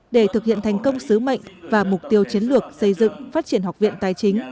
để thực hiện thành công sứ mệnh và mục tiêu chiến lược xây dựng phát triển học viện tài chính